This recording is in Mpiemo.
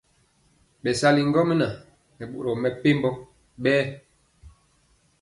Bɛsali ŋgomnaŋ nɛ boro mɛmpegi bɛnd.